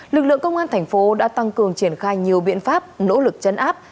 lực lượng công an thành phố đã tăng cường triển khai nhiều biện pháp nỗ lực chấn áp